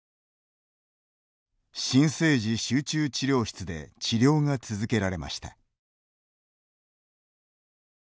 新生児集中治療室で治療が続けられました。